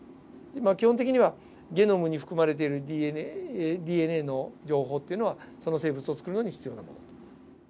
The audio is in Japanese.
基本的にはゲノムに含まれているＤＮＡの情報っていうのはその生物を作るのに必要なもの。